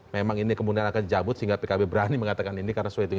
memang ini kemudian akan dicabut sehingga pkb berani mengatakan ini karena sesuai dengan